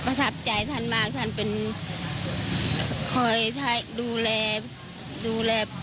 ประทับใจท่านมากท่านเป็นคอยดูแล